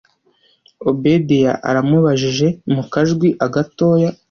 obedia aramubajije mukajwi agatoya